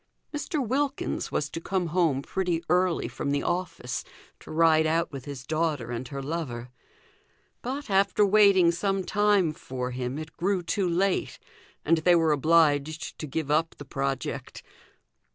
Mr. Wilkins was to come home pretty early from the office to ride out with his daughter and her lover; but, after waiting some time for him, it grew too late, and they were obliged to give up the project.